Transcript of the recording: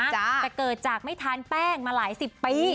แต่เกิดจากไม่ทานแป้งมาหลายสิบปี